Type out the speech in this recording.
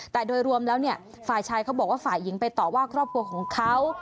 แต่โดยรวมแล้วเนี่ยฝ่ายชายเขาบอกว่าฝ่ายหญิงไปต่อว่าครอบครัวของเขา